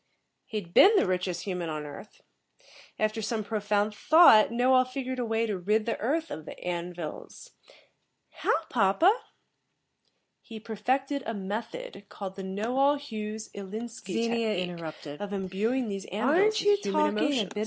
"He'd been the richest human on Earth. After some profound thought, Knowall figured a way to rid the earth of the An vils." "How, papa?" "He perfected a method, called the Knowall Hughes, Ilinski technique, of imbuing these An vils with human emotions."